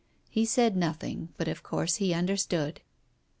He said nothing, but of course he understood.